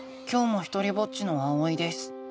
今日もひとりぼっちのあおいです。